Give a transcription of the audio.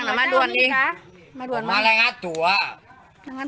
ตัวมารม้าตั้งแต่วันใดอัน